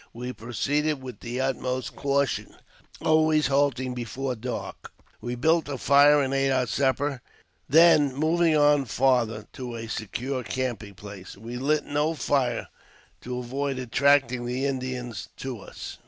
We proceeded with the utmost caution ; always halting before dark, we built a fire and ate our supper ; then moving on farther to a secure camping place, we lit no fire, to avoid attracting the Indians to us.